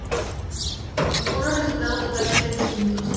Unos resultados totalmente distintos